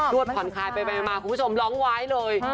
วดผ่อนคลายไปมาคุณผู้ชมร้องไว้เลย